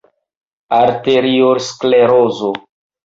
Arteriosklerozo.